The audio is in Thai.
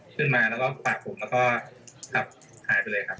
ขึ้นมาแล้วก็ปากผมแล้วก็ขับหายไปเลยครับ